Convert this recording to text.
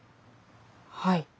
はい。